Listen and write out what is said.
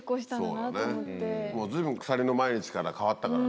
そうだね随分鎖の毎日から変わったからね。